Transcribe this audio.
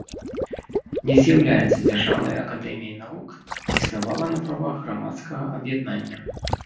Не з'яўляецца дзяржаўнай акадэміяй навук, існавала на правах грамадскага аб'яднання.